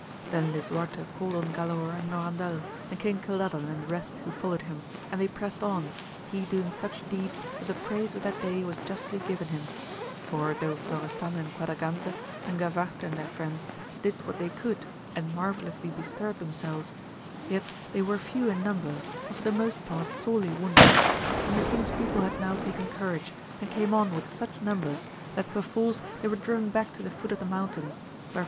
Then Lisuarte called on Galaor and Norandel, and King Cildadan and the rest who followed him, and they pressed on, he doing such deeds that the praise of that day was justly given him; for though Florestan and Quadragante, and Gavarte and their friends, did what they could and marvellously bestirred themselves, yet they were few in number, and for the most part sorely wounded; and the king's people had now taken courage, and came on with such numbers, that perforce they were driven back to the foot of the mountams, where VOL.